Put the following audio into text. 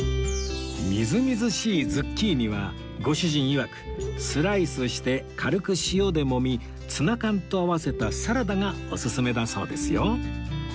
みずみずしいズッキーニはご主人いわくスライスして軽く塩でもみツナ缶と合わせたサラダがオススメだそうですよ